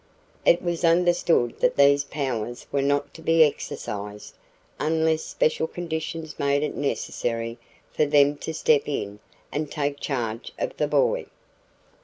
It was understood that these powers were not to be exercised unless special conditions made it necessary for them to step in and take charge of the boy.